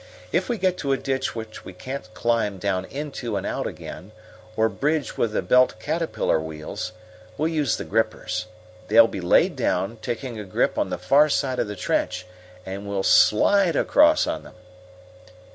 If we get to a ditch which we can't climb down into and out again, or bridge with the belt caterpillar wheels, we'll use the grippers. They'll be laid down, taking a grip on the far side of the trench, and we'll slide across on them."